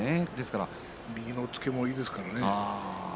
琴ノ若の右の押っつけもいいですからね。